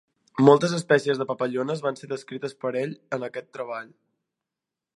Moltes espècies de papallones van ser descrites per ell en aquest treball.